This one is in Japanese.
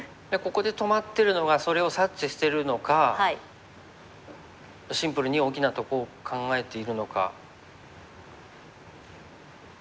ここで止まってるのはそれを察知してるのかシンプルに大きなとこを考えているのか。